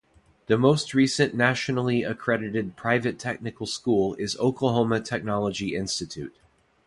The most recent nationally accredited private technical school is Oklahoma Technology Institute.